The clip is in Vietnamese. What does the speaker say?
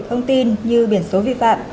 thông tin như biển số vi phạm